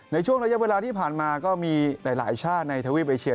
ในช่วงระยะเวลาที่ผ่านมาก็มีหลายชาติในทวีปเอเชีย